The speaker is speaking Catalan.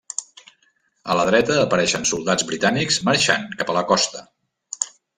A la dreta apareixen soldats britànics marxant cap a la costa.